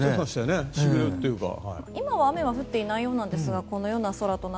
今は雨は降っていないようですがこのような空です。